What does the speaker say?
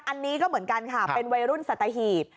อันนี้ก็เหมือนกันค่ะเป็นวัยรุ่นสัตหีบ